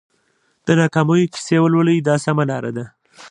د ناکامیونو کیسې ولولئ دا سمه لار ده.